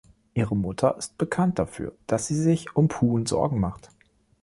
Ihre Mutter ist bekannt dafür, dass sie sich um Poon Sorgen macht.